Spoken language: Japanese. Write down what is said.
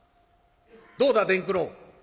どうだ伝九郎。